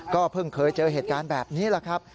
เพิ่งเคยเจอเหตุการณ์แบบนี้แหละครับ